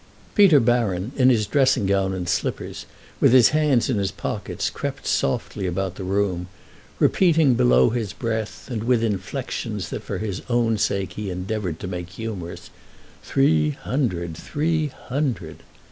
Peter Baron, in his dressing gown and slippers, with his hands in his pockets, crept softly about the room, repeating, below his breath and with inflections that for his own sake he endeavoured to make humorous: "Three hundred—three hundred."